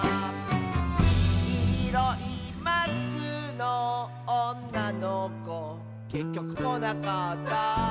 「きいろいマスクのおんなのこ」「けっきょくこなかった」